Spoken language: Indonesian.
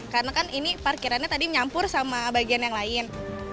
karena kan ini parkirannya tadi menyampur sama bagian yang lain